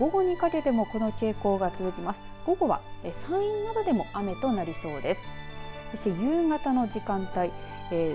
午後は山陰などでも雨となりそうです。